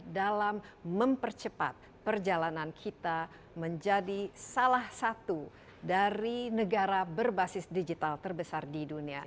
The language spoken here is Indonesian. dalam mempercepat perjalanan kita menjadi salah satu dari negara berbasis digital terbesar di dunia